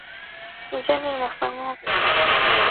Njala inafanyaka muntu sa eko malali